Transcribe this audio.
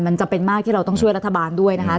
มันจำเป็นมากที่เราต้องช่วยรัฐบาลด้วยนะคะ